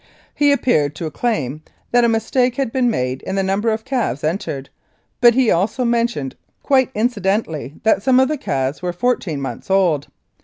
He appeared to claim that a mistake had been made in the number of calves entered, but he also men tioned quite incidentally that some of the calves were four teen months old.